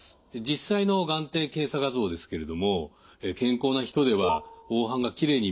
実際の眼底検査画像ですけれども健康な人では黄斑がきれいに見えます。